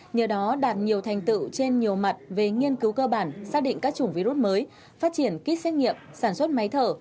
nhờ đó đạt nhiều thành tựu trên nhiều mặt về nghiên cứu cơ bản xác định các chủng virus mới phát triển kit xét nghiệm sản xuất máy thở